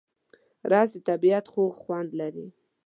رس د طبیعت خوږ خوند لري